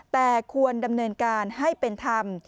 แต่ควรดำเนินการให้เป็นธรรม